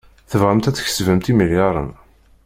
Tebɣamt ad tkesbemt imelyaṛen.